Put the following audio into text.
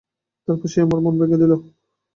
তারপর সে আমার মন ভেঙ্গে দিল।